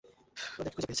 ওদেরকে খুঁজে পেয়েছি।